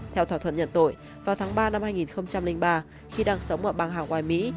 theo thỏa thuận nhận tội vào tháng ba năm hai nghìn ba khi đang sống ở bang hawaii mỹ